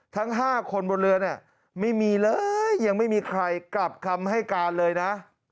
ทั้ง๕คนบนเรือเนี่ยไม่มีเลยยังไม่มีใครกลับคำให้การเลยนะ